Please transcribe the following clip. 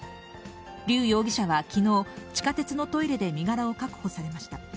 劉容疑者はきのう、地下鉄のトイレで身柄を確保されました。